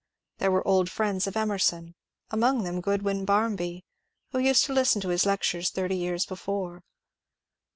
There were old friends of Emerson, among them Groodwyn Barmby, who used to listen to his lectures thirty years before.